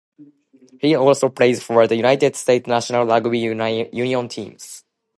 He also plays for the United States national rugby union team.